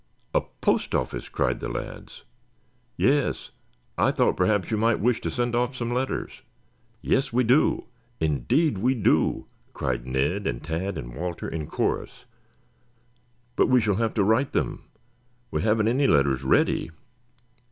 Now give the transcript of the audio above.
"A post office?" cried the lads. "Yes. I thought perhaps you might wish to send off some letters." "Yes, we do. Indeed, we do," cried Ned and Tad and Walter in chorus. "But we shall have to write them. We haven't any letters ready.